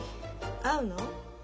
会うの？